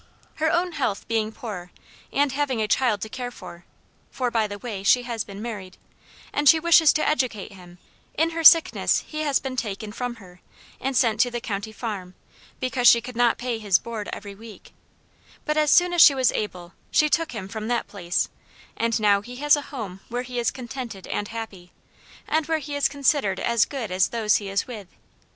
Her own health being poor, and having a child to care for, (for, by the way, she has been married,) and she wishes to educate him; in her sickness he has been taken from her, and sent to the county farm, because she could not pay his board every week; but as soon as she was able, she took him from that PLACE, and now he has a home where he is contented and happy, and where he is considered as good as those he is with.